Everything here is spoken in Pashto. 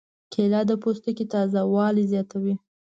کېله د پوستکي تازه والی زیاتوي.